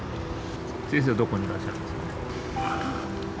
先生はどこにいらっしゃるんですか？